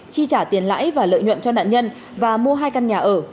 chi trả tiền lãi và lợi nhuận cho nạn nhân và mua hai căn nhà ở